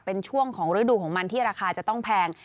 เป็นช่วงของฤดูของมันที่ราคาจะต้องแพง